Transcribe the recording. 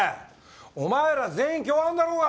お前ら全員共犯だろうが。